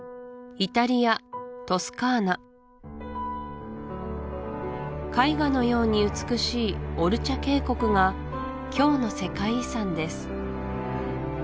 イタリアトスカーナ絵画のように美しいオルチャ渓谷が今日の世界遺産です